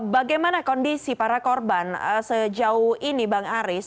bagaimana kondisi para korban sejauh ini bang aris